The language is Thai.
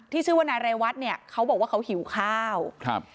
ชื่อว่านายเรวัตเนี่ยเขาบอกว่าเขาหิวข้าวครับ